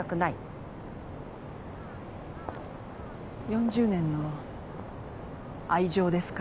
４０年の愛情ですか？